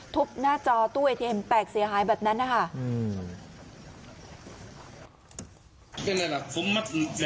หน้าจอตู้เอทีเอ็มแตกเสียหายแบบนั้นนะคะ